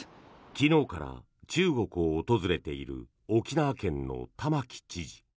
昨日から中国を訪れている沖縄県の玉城知事。